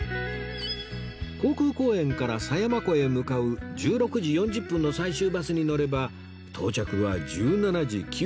航空公園から狭山湖へ向かう１６時４０分の最終バスに乗れば到着は１７時９分